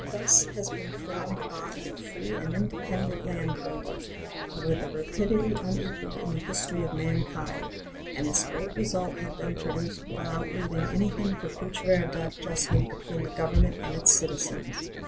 Thus has been formed a body of free and independent landholders with a rapidity unequaled in the history of mankind; and this great result has been produced without leaving anything for future adjustment between the Government and its citizens.